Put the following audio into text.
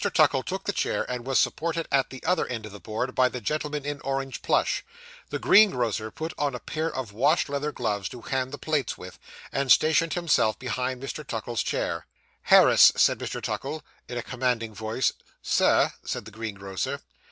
Tuckle took the chair, and was supported at the other end of the board by the gentleman in orange plush. The greengrocer put on a pair of wash leather gloves to hand the plates with, and stationed himself behind Mr. Tuckle's chair. 'Harris,' said Mr. Tuckle, in a commanding tone. 'Sir,' said the greengrocer.